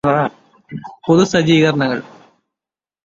പൊതുസജ്ജീകരണങ്ങള്